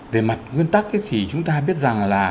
đề mặt nguyên tắc thì chúng ta biết rằng